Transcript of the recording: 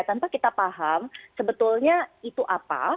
tanpa kita paham sebetulnya itu apa